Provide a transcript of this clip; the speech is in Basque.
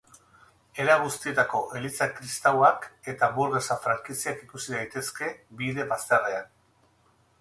Era guztietako eliza kristauak eta hanburgesa frankiziak ikus daitezke bide bazterrean.